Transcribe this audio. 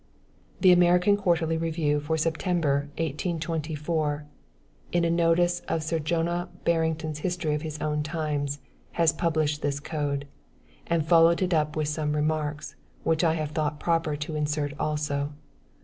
The American Quarterly Review for September, 1824, in a notice of Sir Jonah Barrington's history of his own times, has published this code; and followed it up with some remarks, which I have thought proper to insert also.